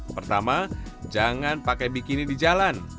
pertama jangan pakai bikini di jalan